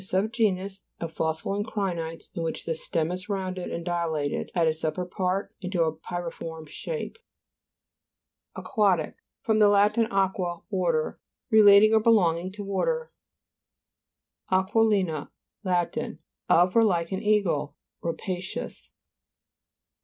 A sub genus of fossil encri'nites, in which the stem is rounded and dilated, at its upper part, into a pyriform shape. GLOSSARY, GEOLOGY. 213 AQ.UA/TIC fr. lat. aqua, water. Re lating or belonging to water. Ao.t'iLi'NA Lat. Of or like an eagle; rapacious.